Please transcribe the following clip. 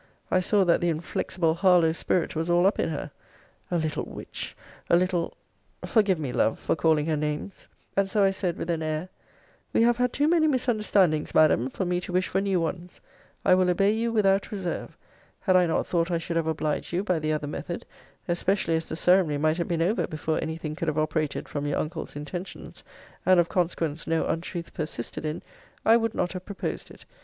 I saw that the inflexible Harlowe spirit was all up in her. A little witch! A little Forgive me, Love, for calling her names! And so I said, with an air, We have had too many misunderstandings, Madam, for me to wish for new ones: I will obey you without reserve. Had I not thought I should have obliged you by the other method, (especially as the ceremony might have been over before any thing could have operated from your uncle's intentions, and of consequence no untruth persisted in,) I would not have proposed it.